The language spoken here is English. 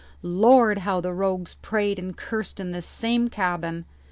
"Lord, how the rogues prayed and cursed in this same cabin!